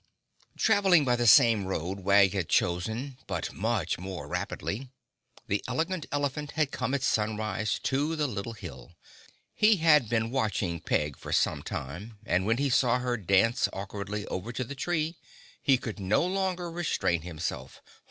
Traveling by the same road Wag had chosen but much more rapidly, the Elegant Elephant had come at sunrise to the little hill. He had been watching Peg for some time, and when he saw her dance awkwardly over to the tree, he could no longer restrain himself.